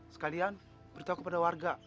sekalian beritahu kepada warga